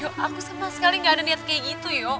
aku sama sekali gak ada niat kayak gitu yuk